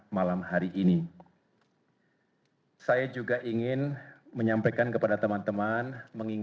malam hari ini saya juga ingin menyampaikan kepada teman teman mengingat bapak sby kendhati beliau